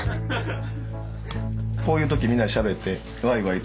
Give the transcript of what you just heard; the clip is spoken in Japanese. こういう時みんなでしゃべってわいわいと。